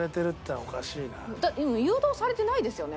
誘導されてないですよね？